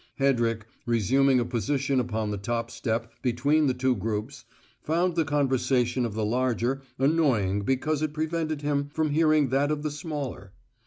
Hedrick, resuming a position upon the top step between the two groups, found the conversation of the larger annoying because it prevented him from hearing that of the smaller.